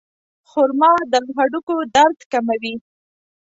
خرما د هډوکو درد کموي.